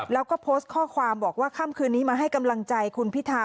แล้วก็โพสต์ข้อความบอกว่าค่ำคืนนี้มาให้กำลังใจคุณพิธา